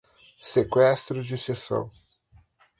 Sequestro de sessão